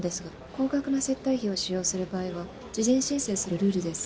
高額な接待費を使用する場合は事前申請するルールです。